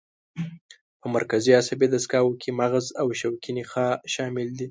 په مرکزي عصبي دستګاه کې مغز او شوکي نخاع شامل دي.